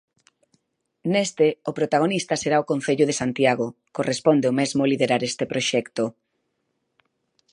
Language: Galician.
Neste, o protagonista será o Concello de Santiago, corresponde ao mesmo liderar este proxecto.